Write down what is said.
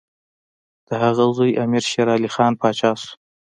د هغه زوی امیر شېرعلي خان پاچا شو.